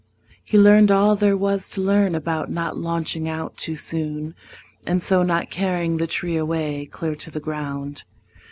He learned all there was To learn about not launching out too soon And so not carrying the tree away Clear to the ground.